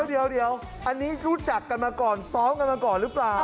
เดี๋ยวอันนี้รู้จักกันมาก่อนซ้อมกันมาก่อนหรือเปล่า